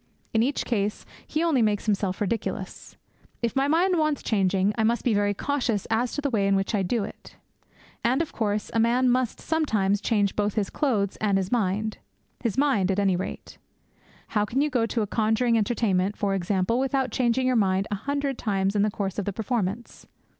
In each case he only makes himself ridiculous. If my mind wants changing, I must be very cautious as to the way in which I do it. And, of course, a man must sometimes change both his clothes and his mind his mind at any rate. How can you go to a conjuring entertainment, for example, without changing your mind a hundred times in the course of the performance?